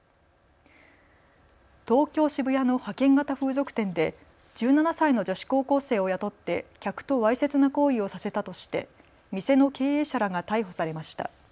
東京渋谷の派遣型風俗店で１７歳の女子高校生を雇って客とわいせつな行為をさせたとして店の経営者らが逮捕されました。